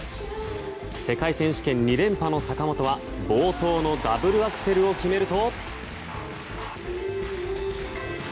世界選手権２連覇の坂本は冒頭のダブルアクセルを決めると。